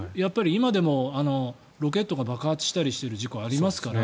今でもロケットが爆発したりしている事故がありますから。